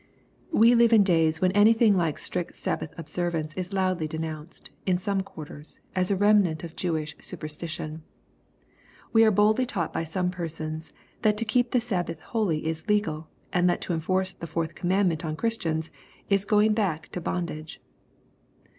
We live in days when anything like strict Sabbath observance is loudly denounced, in some quarters, as a remnant of Jewish superstition. We are boldly told by some persons, that to keep the Sabbath holy is legal, and that to enforce the fourth commandment on Christians, is going back to bondage.